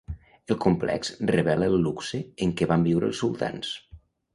El complex revela el luxe en què van viure els sultans.